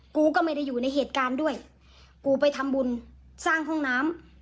กูก็ไม่ได้อยู่ในเหตุการณ์ด้วยกูไปทำบุญสร้างห้องน้ำ